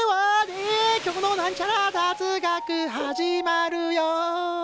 今日のなんちゃら雑学始まるよ！